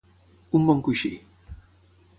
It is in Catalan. Un bon coixí.